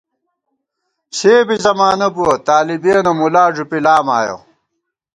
سےبی زمانہ بُوَہ، طالِبِیَنہ مُلا ݫُپی لام آیَہ